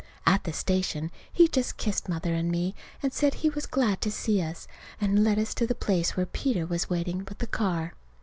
At the station he just kissed Mother and me and said he was glad to see us, and led us to the place where Peter was waiting with the car.